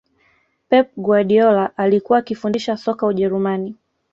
pep guardiola alikuwa akifundisha soka ujerumani